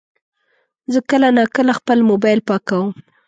زه کله ناکله خپل موبایل پاکوم.